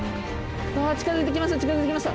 近づいてきました